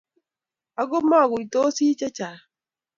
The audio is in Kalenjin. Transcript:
Ako maguitosi chechang